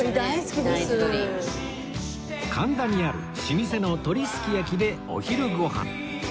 神田にある老舗の鳥すきやきでお昼ご飯